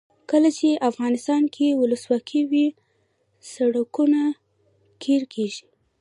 کله چې افغانستان کې ولسواکي وي سړکونه قیر کیږي.